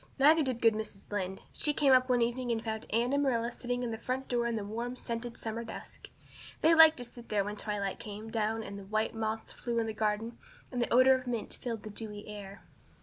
Neither did good Mrs. Lynde. She came up one evening and found Anne and Marilla sitting at the front door in the warm, scented summer dusk. They liked to sit there when the twilight came down and the white moths flew about in the garden and the odor of mint filled the dewy air.